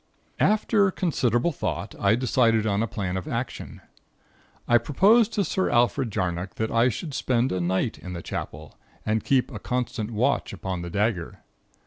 "After considerable thought, I decided on a plan of action. I proposed to Sir Alfred Jarnock that I should spend a night in the Chapel, and keep a constant watch upon the dagger.